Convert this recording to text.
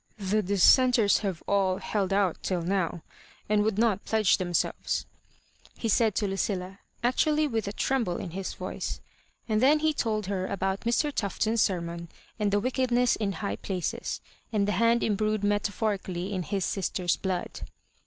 " The Dissenters have all held out till now, and would not pledge them selves," he said to Lucilla, actually with a tremble in his voice; and then he told her about Mr. TuA; on's sermon and the wickedness in high places, and the hand imbrued metaphorically in his sister's blood.